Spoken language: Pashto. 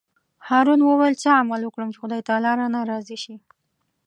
هارون وویل: څه عمل وکړم چې خدای تعالی رانه راضي شي.